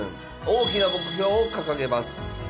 大きな目標を掲げます。